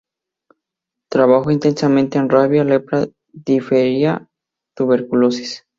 Trabajo intensamente en rabia, lepra, difteria, tuberculosis.